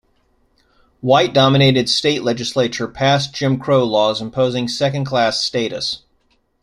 White-dominated state legislatures passed Jim Crow laws imposing second-class status.